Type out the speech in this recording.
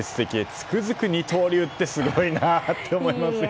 つくづく二刀流ってすごいなと思いますよね。